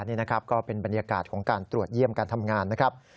นี่นะครับก็เป็นบรรยากาศของการตรวจเยี่ยมการทำงานนะครับ